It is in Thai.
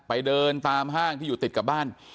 เดินตามห้างที่อยู่ติดกับบ้าน